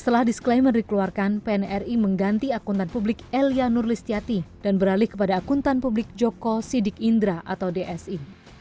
setelah disclaimer dikeluarkan pnri mengganti akuntan publik elia nurlistiati dan beralih kepada akuntan publik joko sidik indra atau dsi